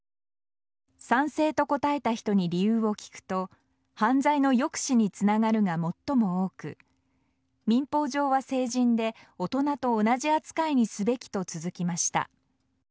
賛成と答えた人に理由を聞くと犯罪の抑止につながるが最も多く民法上は成人で大人と同じ扱いにすべきと続きました。